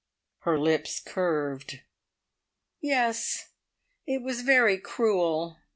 Her lips curved. "Yes. It was very cruel.